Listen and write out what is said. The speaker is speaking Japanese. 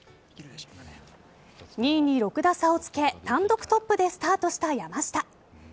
２位に６打差をつけ単独トップでスタートした山下。